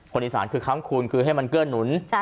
คนอีสานคือค้ำคูณคือให้มันเกื้อนหนุน